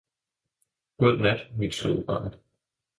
God nat, mit søde barn!